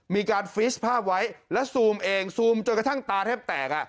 มีการฟีสภาพไว้แล้วซูมเองซูมจนกระทั่งตาแทบแตก